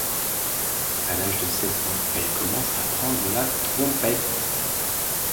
À l'âge de sept ans, elle commence à apprendre la trompette.